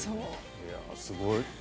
いやあ、すごい。